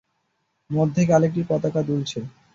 মধ্যে একটি কাল পতাকা দুলছে।